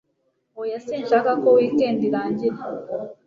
oya sinshaka ko weekend irangira